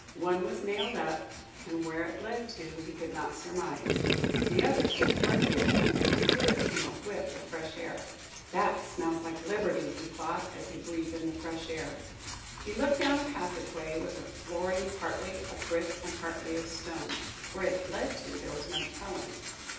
One was nailed up, and where it led to, he could not surmise. The other stood partly open, and through it came a whiff of fresh air. "That smells like liberty," he thought, as he breathed in the fresh air. He looked down a passageway, with a flooring partly of brick and partly of stone. Where it led to, there was no telling.